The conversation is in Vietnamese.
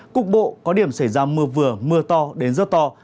cục bộ có điểm xảy ra mưa vừa mưa to đến rất to